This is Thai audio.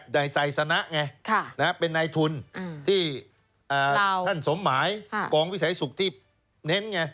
นายไซสนะไงเป็นนายทุนที่ท่านสมหมายกองวิสัยสุขที่เน้นไง